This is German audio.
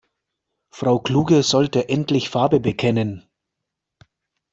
Frau Kluge sollte endlich Farbe bekennen.